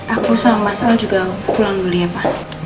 aku sama mas al juga pulang dulu ya pak